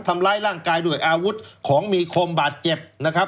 ทำร้ายร่างกายด้วยอาวุธของมีคมบาดเจ็บนะครับ